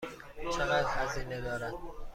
چقدر هزینه دارد؟